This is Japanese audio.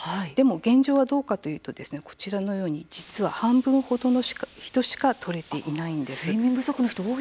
現状はどうかというとこちらのように半分程の人しか取れていないんです。